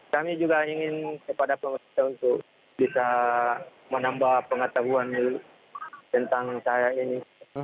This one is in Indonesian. kami juga ingin kepada pemerintah untuk bisa menambah pengetahuan tentang saya ini